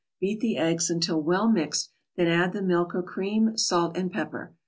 Beat the eggs until well mixed, but not light, then add the milk or cream, salt and pepper.